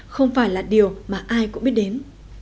không phải là điều mà ai cũng biết đến